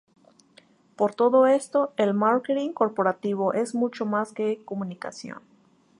Por todo esto, el marketing corporativo es mucho más que comunicación.